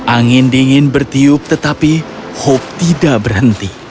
angin dingin bertiup tetapi hope tidak berhenti